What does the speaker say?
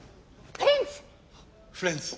フレンズ！